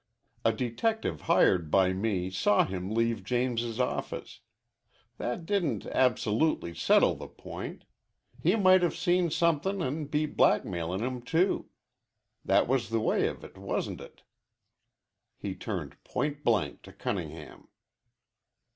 A detective hired by me saw him leave James's office. That didn't absolutely settle the point. He might have seen somethin' an' be blackmailin' him too. That was the way of it, wasn't it?" He turned point blank to Cunningham.